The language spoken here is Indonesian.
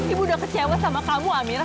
ibu udah kecewa sama kamu amirah